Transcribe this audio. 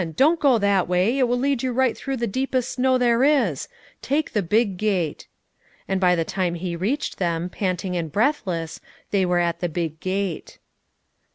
Don't go that way, it will lead you right through the deepest snow there is; take the big gate." And by the time he reached them, panting and breathless, they were at the big gate.